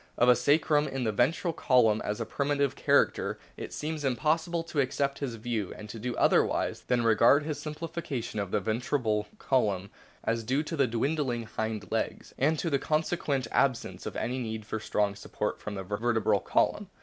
CLASSIFICA TION i 6 1 of a sacrum in the vertebral column as a primitive character it seems impossible to accept his view, and to do otherwise than regard this simplification of the vertebral column as due to the dwindling hind legs, and to the consequent absence of any need for strong support from the vertebral column.